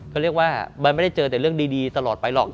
ก็เรียกว่ามันไม่ได้เจอแต่เรื่องดีตลอดไปหรอก